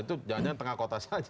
itu jangan jangan tengah kota saja